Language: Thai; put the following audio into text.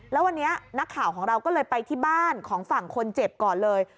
แล้ววันนี้นักข่าวของเราก็เลยไปที่บ้านของฝั่งคนเจ็บก่อนเลย